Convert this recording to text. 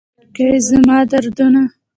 که یې زما دردونه